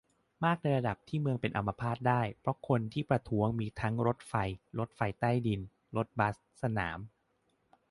มากในระดับที่เมืองเป็นอัมพาตได้ เพราะคนที่ประท้วงมีทั้งการรถไฟ รถไฟใต้ดิน รถบัส สนาม